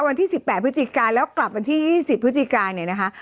วันที่สิบแปดพฤติกาแล้วกลับวันที่ยี่สิบพฤติกาเนี้ยนะคะ